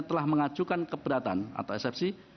telah mengajukan keberatan atau eksepsi